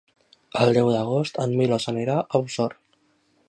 El deu d'agost en Milos anirà a Osor.